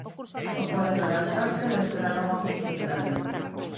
Só poden agacharse e esperar unha oportunidade.